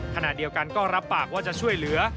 ขณะเดียวกันก็รับปากว่าจะช่วยเหลือ